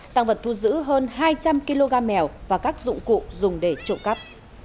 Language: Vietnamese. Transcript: tăng vật thu giữ hơn hai trăm linh kg mèo và các dụng cụ dùng để trộm cắp